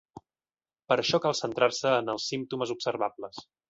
Per això cal centrar-se en els símptomes observables.